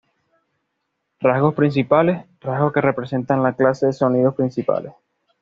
Rasgos principales: Rasgos que representan las clases de sonidos principales.